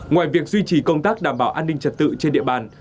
ngoài việc duy trì công tác đảm bảo an ninh trật tự trên địa bàn